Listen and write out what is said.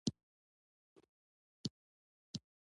ریښې کږې وږې په مکیزونو او نخرو